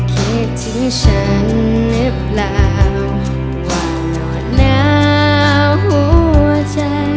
คิดถึงฉันหรือเปล่าก่อนหวดน้ำหัวใจ